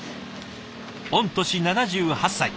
御年７８歳。